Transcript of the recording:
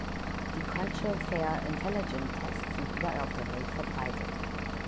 Die „Culture Fair Intelligence Tests“ sind überall auf der Welt verbreitet.